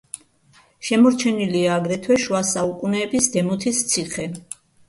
შემორჩენილია აგრეთვე შუა საუკუნეების „დემოთის ციხე“.